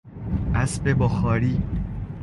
اسب بخاری